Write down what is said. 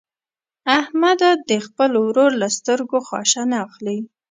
احمده د خپل ورور له سترګو خاشه نه اخلي.